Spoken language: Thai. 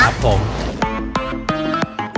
ครับผม